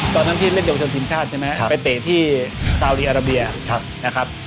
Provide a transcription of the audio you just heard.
ตอนนั้นที่เล่นเยาวชนทีมชาติใช่ไหมครับไปเตะที่ซาวดีอาราเบียนะครับ